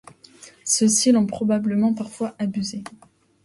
Ceux-ci l'ont probablement parfois abusé.